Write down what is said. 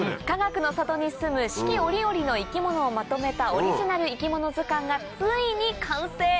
かがくの里にすむ四季折々の生き物をまとめたオリジナル生き物図鑑がついに完成。